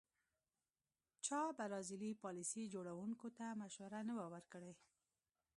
چا برازیلي پالیسي جوړوونکو ته مشوره نه وه ورکړې.